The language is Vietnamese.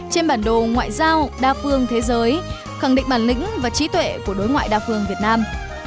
trên bản đồ ngoại giao đa phương thế giới khẳng định bản lĩnh và trí tuệ của đối ngoại đa phương việt nam